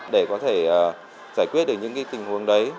để có thể giải quyết được những tình huống đấy